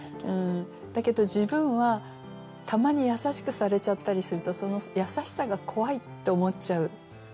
だけど自分はたまに優しくされちゃったりするとその優しさが怖いって思っちゃう人なわけですよね。